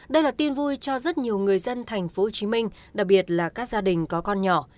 đây là tin vui cho rất nhiều người dân thành phố hồ chí minh đặc biệt là các gia đình có con nhỏ